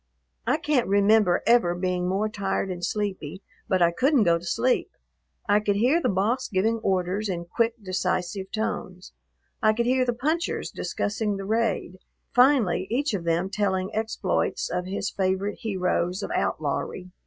I can't remember ever being more tired and sleepy, but I couldn't go to sleep. I could hear the boss giving orders in quick, decisive tones. I could hear the punchers discussing the raid, finally each of them telling exploits of his favorite heroes of outlawry.